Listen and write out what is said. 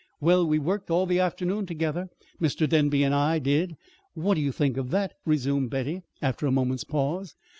"Well, we worked all the afternoon together! Mr. Denby and I did. What do you think of that?" resumed Betty, after a moment's pause.